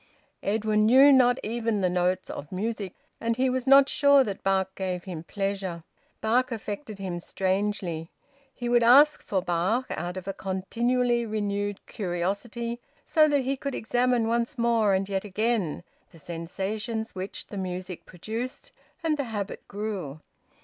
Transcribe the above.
Edwin knew not even the notes of music, and he was not sure that Bach gave him pleasure. Bach affected him strangely. He would ask for Bach out of a continually renewed curiosity, so that he could examine once more and yet again the sensations which the music produced; and the habit grew.